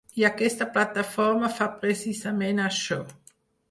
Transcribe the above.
I aquesta plataforma fa precisament això.